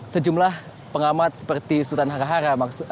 sejumlah pengamat seperti sultan harahara